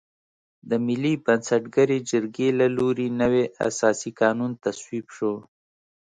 د ملي بنسټګرې جرګې له لوري نوی اساسي قانون تصویب شو.